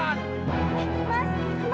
ini bahaya banget pak